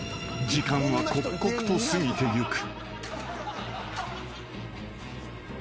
［時間は刻々と過ぎていく］